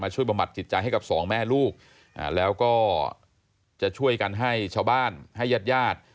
บำบัดจิตใจให้กับสองแม่ลูกแล้วก็จะช่วยกันให้ชาวบ้านให้ญาติญาติ